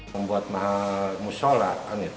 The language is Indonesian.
membuat mahal musola